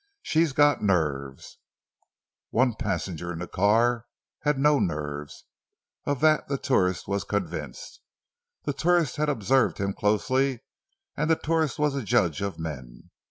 She's got nerves." One passenger in the car had no nerves—of that the tourist was convinced. The tourist had observed him closely, and the tourist was a judge of men.